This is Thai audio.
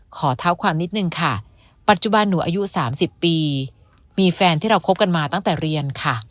ขอเท้าความนิดนึงค่ะปัจจุบันหนูอายุ๓๐ปีมีแฟนที่เราคบกันมาตั้งแต่เรียนค่ะ